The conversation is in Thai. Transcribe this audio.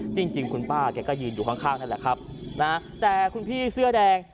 จริงจริงคุณป้าแกก็ยืนอยู่ข้างนั่นแหละครับนะแต่คุณพี่เสื้อแดง